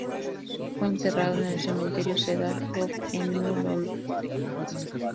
Fue enterrado en el cementerio Cedar Grove, en New London, Connecticut.